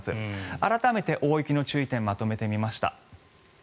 改めて大雪の注意点をまとめてみました。